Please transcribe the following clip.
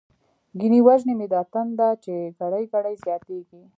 ګنی وژنی می دا تنده، چی ګړۍ ګړۍ زياتيږی